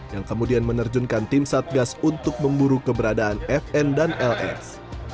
yang kemudian menerjunkan tim satgas untuk memburu keberadaan fn dan ls